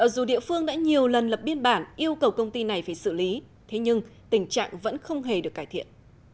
dù địa phương đã nhiều lần lập biên bản yêu cầu công ty này phải xử lý thế nhưng tình trạng vẫn không hề được cải thiện